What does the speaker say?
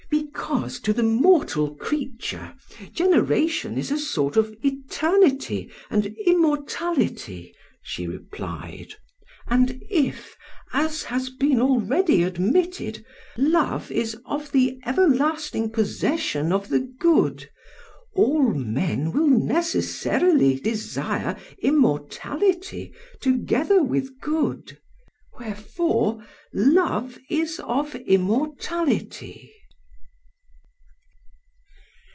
"'Because to the mortal creature, generation is a sort of eternity and immortality,' she replied; 'and if, as has been already admitted, love is of the everlasting possession of the good, all men will necessarily desire immortality together with good: wherefore love is of immortality.'